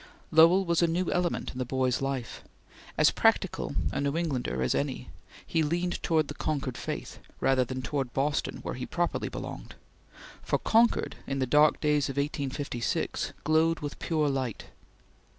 Lowell was a new element in the boy's life. As practical a New Englander as any, he leaned towards the Concord faith rather than towards Boston where he properly belonged; for Concord, in the dark days of 1856, glowed with pure light.